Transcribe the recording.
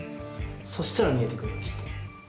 そしたら見えてくるよきっと。